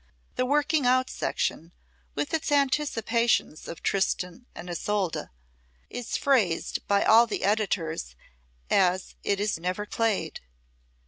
The working out section, with its anticipations of "Tristan and Isolde," is phrased by all the editors as it is never played.